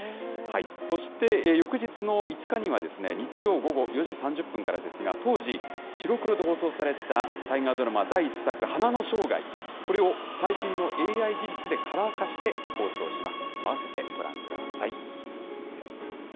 そして翌日の５日には、日曜午後４時３０分からですが、当時、白黒で放送された、大河ドラマ第１作、花の生涯、これを最新のＡＩ技術でカラー化して放送します。